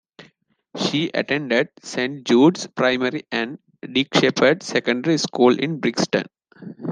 She attended Saint Judes Primary and Dick Shepherd Secondary School in Brixton.